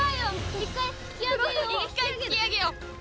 一回引きあげよう。